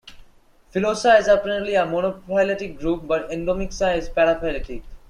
Filosa is apparently a monophyletic group, but Endomyxa is paraphyletic.